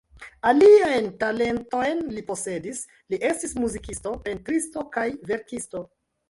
Aliajn talentojn li posedis: li estis muzikisto, pentristo kaj verkisto.